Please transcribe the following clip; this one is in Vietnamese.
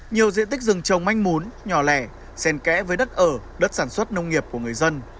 nhiều diện tích rừng trồng manh mún nhỏ lẻ sen kẽ với đất ở đất sản xuất nông nghiệp của người dân